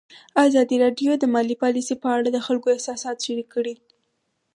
ازادي راډیو د مالي پالیسي په اړه د خلکو احساسات شریک کړي.